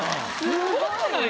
すごくない？